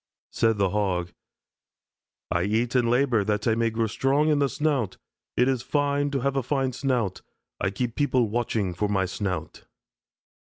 Said the Hog: "I eat and labor that I may grow strong in the snout. It is fine to have a fine snout. I keep people watching for my snout."